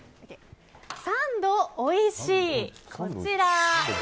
三度おいしい、こちら。